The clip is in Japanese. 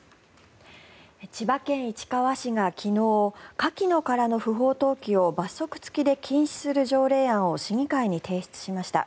千葉県市川市が昨日カキの殻の不法投棄を罰則付きで禁止する条例案を市議会に提出しました。